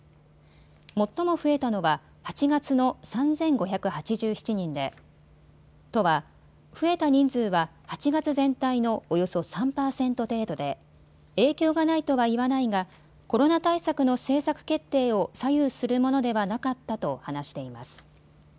最も増えたのは８月の３５８７人で都は増えた人数は８月全体のおよそ３％程度で影響がないとは言わないがコロナ対策の政策決定を左右するものではなかったと話しています。